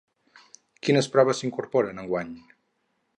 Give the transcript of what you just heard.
Quines proves s’incorporen enguany?